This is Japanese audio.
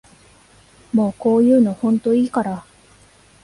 もうこういうのほんといいから